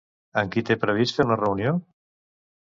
Amb qui té previst fer una reunió?